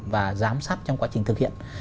và giám sát trong quá trình thực hiện